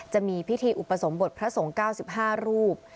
จะมีพิธีอุปสมบทพระสงฆ์๙๕รูป